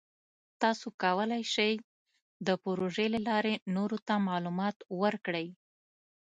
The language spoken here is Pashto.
تاسو کولی شئ د پروژې له لارې نورو ته معلومات ورکړئ.